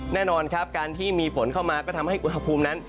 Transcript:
แน่นอนครับการที่มีฝนเข้ามาก็ทำให้อุณหภูมินั้น